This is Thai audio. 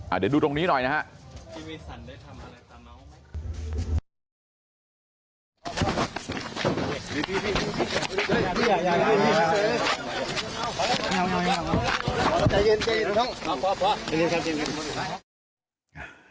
อ่าเดี๋ยวดูตรงนี้หน่อยนะฮะ